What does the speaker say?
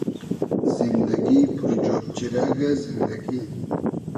زیندئگی پور جۉب جیرئگۂ زیندئگی